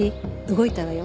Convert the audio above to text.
動いたわよ。